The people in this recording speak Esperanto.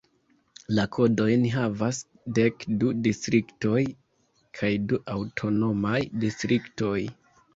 La kodojn havas dek du distriktoj kaj du aŭtonomaj distriktoj.